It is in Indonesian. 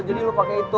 jadi lo pake itu